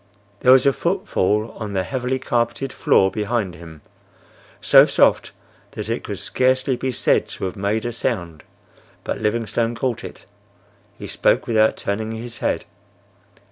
There was a footfall on the heavily carpeted floor behind him, so soft that it could scarcely be said to have made a sound, but Livingstone caught it. He spoke without turning his head.